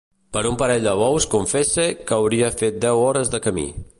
Per un parell de bous confesse que hauria fet deu hores de camí.